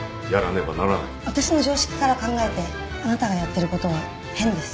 私の常識から考えてあなたがやってる事は変です。